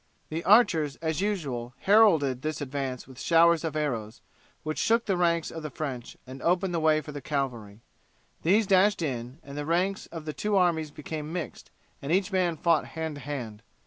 The archers as usual heralded this advance with showers of arrows, which shook the ranks of the French and opened the way for the cavalry. These dashed in, and the ranks of the two armies became mixed, and each man fought hand to hand.